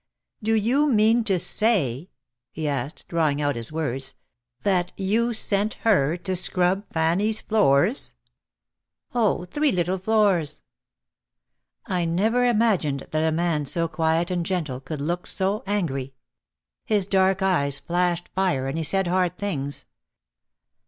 "Do you mean to say," he asked, drawing out his words, "that you sent her to scrub Fannie's floors?" "Oh, three little floors!" I never imagined that a man so quiet and gentle could look so angry. His dark eyes flashed fire and he said hard things.